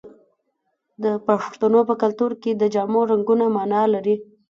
د پښتنو په کلتور کې د جامو رنګونه مانا لري.